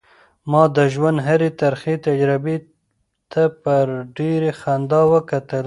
ما د ژوند هرې ترخې تجربې ته په ډېرې خندا وکتل.